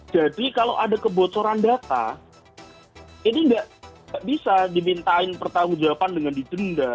jadi kalau ada kebocoran data ini tidak bisa diminta pertanggung jawaban dengan di jenda